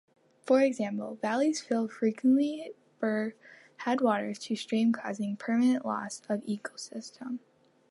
For example, valley fills frequently bury headwater streams causing permanent loss of ecosystems.